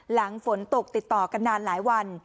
หลังฝนตกติดต่อกันนานหลายวัน